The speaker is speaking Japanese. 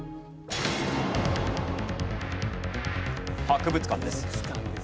博物館です。